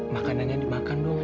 makanan yang dimakan dong